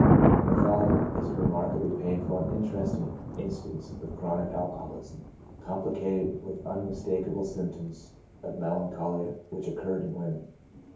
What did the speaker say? The following is a re markablv painful and interesting instance of chronic alco holism, complicated with unmistakable symptoms of mel ancholia, which occurred in a woman.